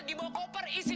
gitu gitu gitu